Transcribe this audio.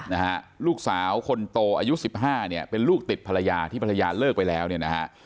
นะฮะลูกสาวคนโตอายุสิบห้าเนี่ยเป็นลูกติดภรรยาที่ภรรยาเลิกไปแล้วเนี่ยนะฮะ